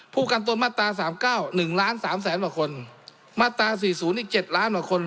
ผู้กันตนมาตราสามเก้าหนึ่งล้านสามแสนกว่าคนมาตราสี่ศูนย์อีก๗ล้านกว่าคน